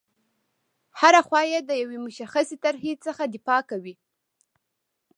هره خوا یې د یوې مشخصې طرحې څخه دفاع کوي.